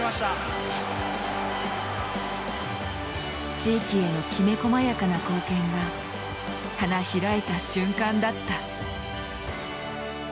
地域へのきめ細やかな貢献が花開いた瞬間だった。